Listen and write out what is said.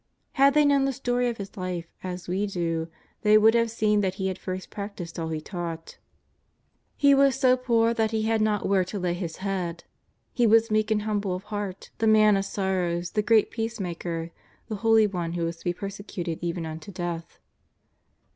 Had they known the story of His Life as we do they would have seen that He had first practised all He taught. He was so poor that He had not where to lay His head. He was meek and humble of heart, the Man of sorrows, the great Peacemaker, the Holy One who was to be persecuted even unto death.